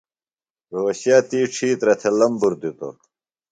روھوشے تی ڇِھیترہ تھےۡ لمبُر دِتوۡ۔